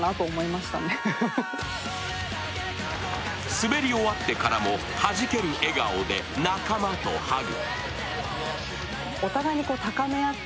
滑り終わってからもはじける笑顔で仲間とハグ。